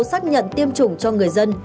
xác nhận tiêm chủng cho người dân